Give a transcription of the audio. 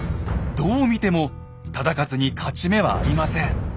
どう見ても忠勝に勝ち目はありません。